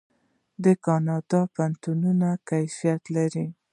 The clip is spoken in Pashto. د کاناډا پوهنتونونه کیفیت لري.